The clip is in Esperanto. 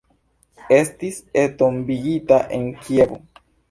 Estis entombigita en Kievo.